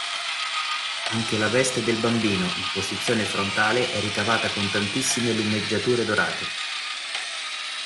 Anche la veste del Bambino, in posizione frontale, è ricavata con tantissime lumeggiature dorate.